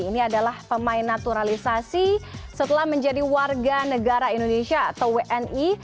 ini adalah pemain naturalisasi setelah menjadi warga negara indonesia atau wni